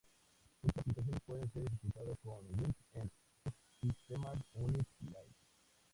Muchas aplicaciones pueden ser ejecutadas con Wine en subsistemas Unix-like.